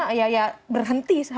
karena ya berhenti